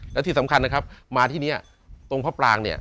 และที่สำคัญนะครับมาที่นี้ตรงพระปรางเนี่ย